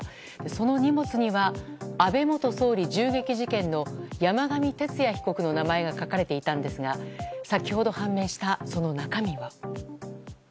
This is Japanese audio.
その荷物には安倍元総理銃撃事件の山上徹也被告の名前が書かれていたんですが先ほど、判明したその中身は。